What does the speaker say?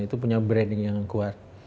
itu punya branding yang kuat